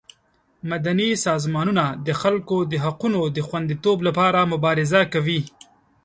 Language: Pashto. مدني سازمانونه د خلکو د حقونو د خوندیتوب لپاره مبارزه کوي.